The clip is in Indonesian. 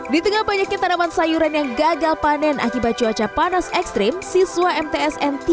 di tengah banyaknya tanaman sayuran yang gagal panen akibat cuaca panas ekstrim siswa mtsn tiga